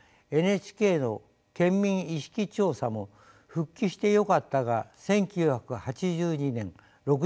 ＮＨＫの県民意識調査も「復帰してよかった」が１９８２年６３％